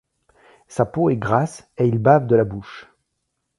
Sa peau est grasse et il bave de la bouche.